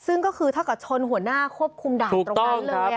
ซึ่งก็คือเท่ากับชนหัวหน้าควบคุมด่านตรงนั้นเลย